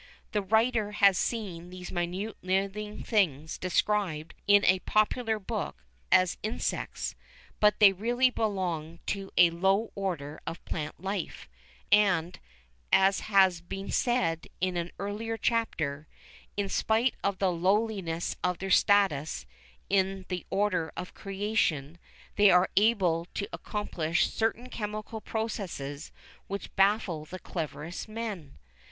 The writer has seen these minute living things described in a popular book as "insects," but they really belong to a low order of plant life, and, as has been said in an earlier chapter, in spite of the lowliness of their status in the order of creation, they are able to accomplish certain chemical processes which baffle the cleverest men.